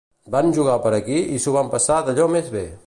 Van jugar per aquí i s'ho van passar d'allò més bé!